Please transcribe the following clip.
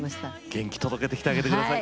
元気届けてきてあげて下さい！